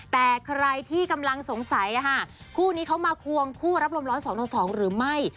แต่ใครที่กำลังสงสัยคู่นี้เขามาควงคู่รับลมร้อน๒ต่อ๒หรือไม่